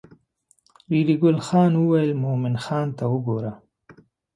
ریډي ګل خان وویل مومن خان ته وګوره.